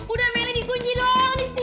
udah meli dikunci doang di sini